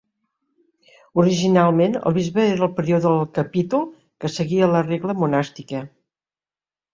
Originalment, el bisbe era el prior del capítol, que seguia la regla monàstica.